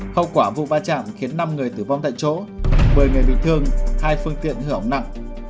hậu quả vụ va chạm khiến năm người tử vong tại chỗ một mươi người bị thương hai phương tiện hư hỏng nặng